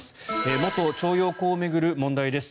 元徴用工を巡る問題です。